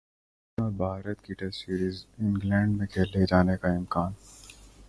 پاکستان اور بھارت کی test series England میں کھیلے جانے کا امکان